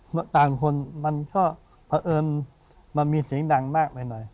ต่างคนมันก็เผอิญมันมีเสียงดังมากไปหน่อย